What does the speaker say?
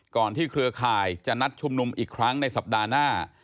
ที่เครือข่ายจะนัดชุมนุมอีกครั้งในสัปดาห์หน้า